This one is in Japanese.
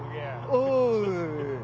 おう。